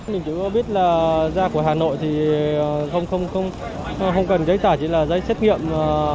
mình chỉ biết là ra của hà nội thì không cần giấy tải chỉ là giấy xét nghiệm